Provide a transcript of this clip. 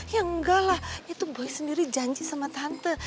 ya enggak lah itu gue sendiri janji sama tante